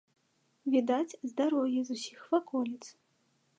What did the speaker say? Відаць з дарогі, з усіх ваколіц.